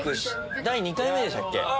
第２回目でしたっけ。